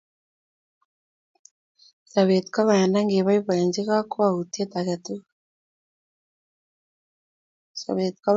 Sobet ko banda ngeboibochi kakwautiet age tugul